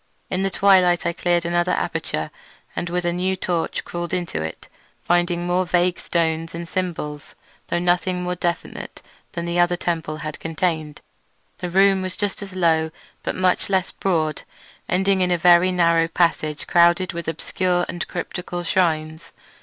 In the twilight I cleared another aperture and with a new torch crawled into it, finding more vague stones and symbols, though nothing more definite than the other temple had contained. The room was just as low, but much less broad, ending in a very narrow passage crowded with obscure and cryptical shrines.